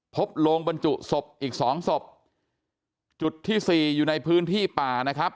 โลงบรรจุศพอีกสองศพจุดที่สี่อยู่ในพื้นที่ป่านะครับ